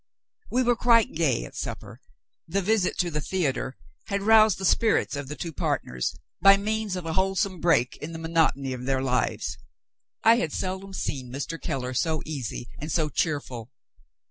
We were quite gay at supper; the visit to the theater had roused the spirits of the two partners, by means of a wholesome break in the monotony of their lives. I had seldom seen Mr. Keller so easy and so cheerful.